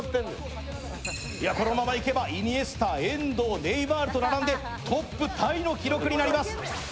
このままいけば、イニエスタ、遠藤、ネイマールに並んでトップタイの記録になります。